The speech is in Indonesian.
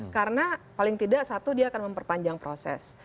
karena paling tidak satu dia akan memperpanjang proses